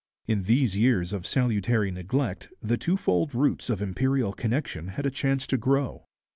In these years of salutary neglect the twofold roots of imperial connection had a chance to grow.